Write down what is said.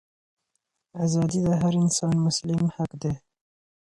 ازادي د هر انسان مسلم حق دی.